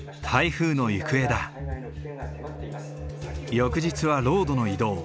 翌日はロードの移動。